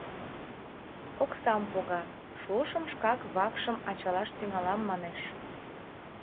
Оксам пога: «Шошым шкак вакшым ачалаш тӱҥалам», — манеш.